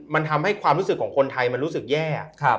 มันทำให้ความรู้สึกของคนไทยมันรู้สึกแย่